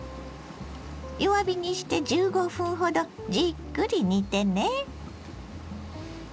弱火にして１５分ほどじっくり煮てね。